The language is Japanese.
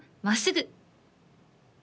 「まっすぐ」